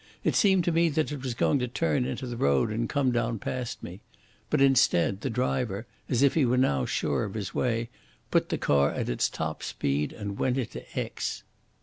It seemed to me that it was going to turn into the road and come down past me. But instead the driver, as if he were now sure of his way, put the car at its top speed and went on into Aix."